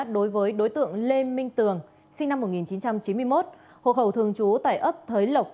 đối với đối tượng lê minh tường sinh năm một nghìn chín trăm chín mươi một hộ khẩu thường trú tại ấp thới lộc